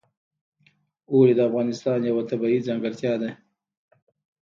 اوړي د افغانستان یوه طبیعي ځانګړتیا ده.